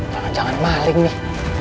jangan jangan maling nih